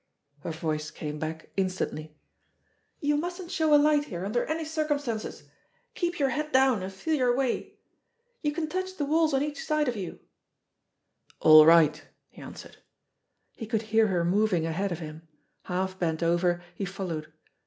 Her voice came back instantly. *'You mustn't show a light here under any circumstances. Keep your head down, and feel your way. You can touch the walls on each side of you." "All right !" he answered. He could hear her moving ahead of him. Half bent over, he followed.